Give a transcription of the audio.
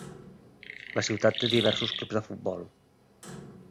La ciutat té diversos clubs de futbol.